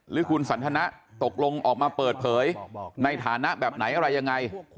หรือคุณสันทนะตกลงออกมาเปิดเผยในฐานะแบบไหนอะไรยังไง